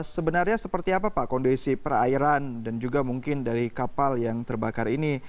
sebenarnya seperti apa pak kondisi perairan dan juga mungkin dari kapal yang terbakar ini